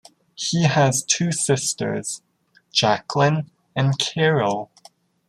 He has two sisters, Jacqueline and Carol.